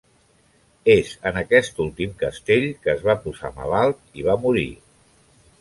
És en aquest últim castell que es va posar malalt i va morir.